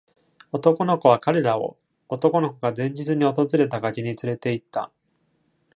男の子は彼らを、男の子が前日に訪れた崖に連れて行った。